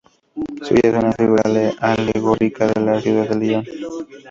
Suya es una figura alegórica de la ciudad de Lyon.